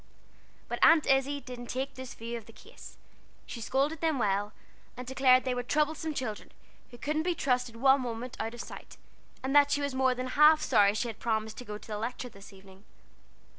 But Aunt Izzie didn't take this view of the case. She scolded them well, and declared they were troublesome children, who couldn't be trusted one moment out of sight, and that she was more than half sorry she had promised to go to the Lecture that evening.